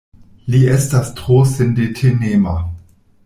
Li estas tro sindetenema.